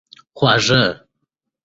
خواږه